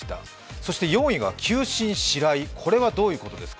そして４位が球審・白井、これはどういうことですか？